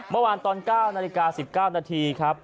เมื่อวานตอน๙นาฬิกา๑๙นาทีครับ